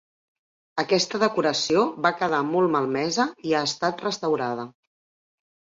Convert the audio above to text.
Aquesta decoració va quedar molt malmesa i ha estat restaurada.